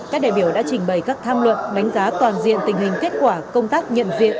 các đại biểu đã trình bày các tham luận đánh giá toàn diện tình hình kết quả công tác nhận diện